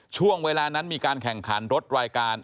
ช่วงเวลานั้นมีการแข่งขันรถรายการ